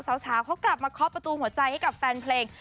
สาวเขากลับมาเคาะประตูหัวใจให้กับแฟนเพลง